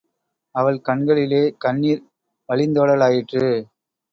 அவள் கண்களிலே கண்ணீர் வழிந்தோடலாயிற்று.